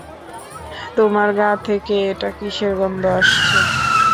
তোমার গা থেকে এটা কিসের গন্ধ আসছে?